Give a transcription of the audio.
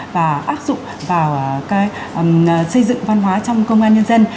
và áp dụng vào xây dựng văn hóa trong công an nhân dân